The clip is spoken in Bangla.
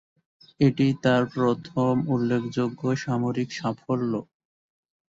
এটিই তার প্রথম উল্লেখযোগ্য সামরিক সাফল্য।